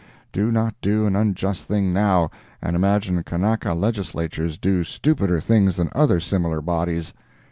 Do not do an unjust thing now, and imagine Kanaka Legislatures do stupider things than other similar bodies.